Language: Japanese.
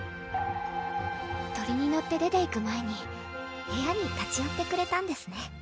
鳥に乗って出ていく前に部屋に立ちよってくれたんですね